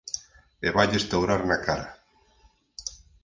E vaille estourar na cara.